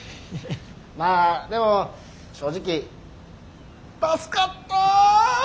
まあでも正直助かった！